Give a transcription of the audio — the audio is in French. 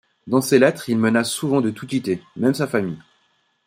Dans ses lettres, il menace souvent de tout quitter, même sa famille.